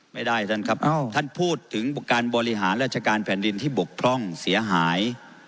ไม่ได้ท่านครับท่านพูดถึงการบริหารราชการแผ่นดินที่บกพร่องเสียหาย